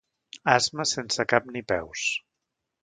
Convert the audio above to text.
Asmes sense cap ni peus.